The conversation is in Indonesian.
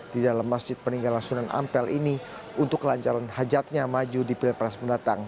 di dalam masjid peninggalan sunan ampel ini untuk kelancaran hajatnya maju di pilpres mendatang